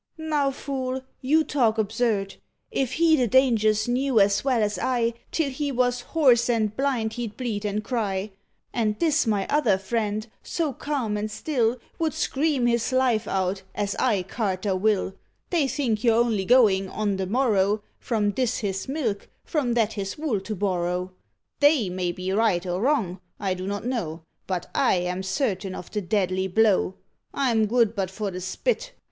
"Now, fool! you talk absurd. If he the dangers knew as well as I, Till he was hoarse and blind he'd bleat and cry. And this my other friend, so calm and still, Would scream his life out, as I, carter, will. They think you're only going, on the morrow, From this his milk, from that his wool to borrow: They may be right or wrong, I do not know; But I am certain of the deadly blow: I'm good but for the spit.